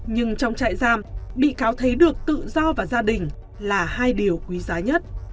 nhưng trong trại giam bị cáo thấy được tự do và gia đình là hai điều quý giá nhất